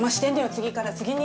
次から次に。